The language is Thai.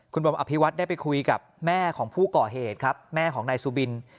คุณบอมอภิวัตได้ไปคุยกับแม่ของผู้ก่อเหตุครับแม่ของนายสุบิน